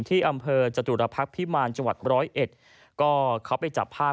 ที่อำเภอจตุรพักษ์พิมารจังหวัดร้อยเอ็ดก็เขาไปจับภาพ